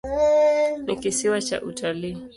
Ni kisiwa cha utalii.